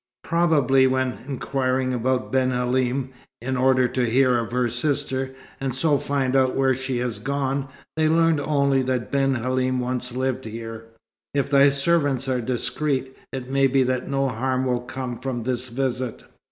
Probably, when inquiring about Ben Halim, in order to hear of her sister, and so find out where she has gone, they learned only that Ben Halim once lived here. If thy servants are discreet, it may be that no harm will come from this visit."